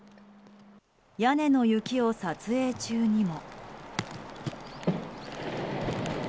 屋根の雪を撮影中にも。